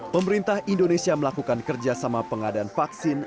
pemerintah indonesia melakukan kerjasama pengadaan vaksin